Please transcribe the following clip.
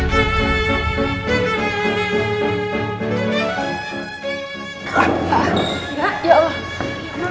nanti kalo mau gue shus selain